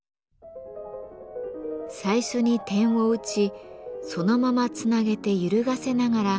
最初に点を打ちそのままつなげて揺るがせながら下へと下ろします。